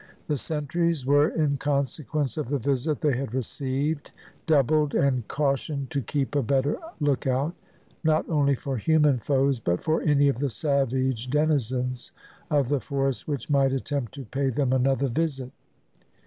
The sentries were, in consequence of the visit they had received, doubled and cautioned to keep a better lookout, not only for human foes, but for any of the savage denizens of the forest which might attempt to pay them another visit.